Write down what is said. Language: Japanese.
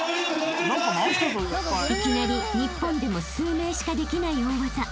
［いきなり日本でも数名しかできない大技］